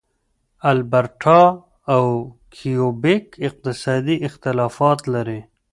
البرټا او کیوبیک اقتصادي اختلافات لري.